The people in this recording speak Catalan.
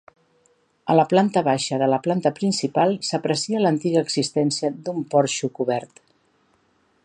A la planta baixa de la planta principal s'aprecia l'antiga existència d'un porxo cobert.